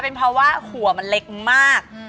เป็นเพราะว่าหัวมันเล็กมาก